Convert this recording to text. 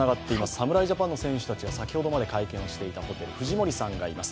侍ジャパンの選手たちが先ほどまで会見していたホテルに藤森さんがいます。